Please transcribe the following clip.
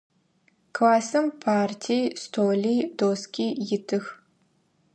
Классым парти, столи, доски итых.